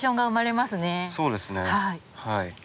はい。